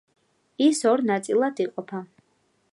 ის ორ ნაწილად იყოფა.